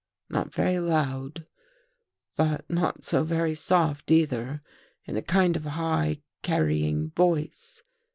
Not very loud, but not so very soft either, in a kind of high carrying voice.